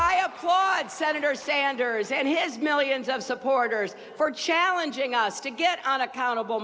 ก็ก็ว่าเราจะทำให้ครับ